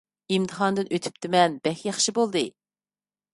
ئىمتىھاندىن ئۆتۈپتىمەن، بەك ياخشى بولدى!